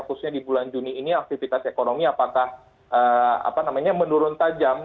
khususnya di bulan juni ini aktivitas ekonomi apakah menurun tajam